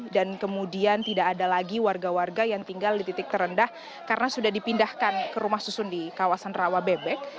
dan kemudian tidak ada lagi warga warga yang tinggal di titik terendah karena sudah dipindahkan ke rumah susun di kawasan rawa bebek